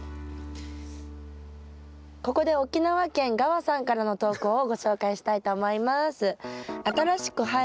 ここで沖縄県がわさんからの投稿をご紹介したいと思います。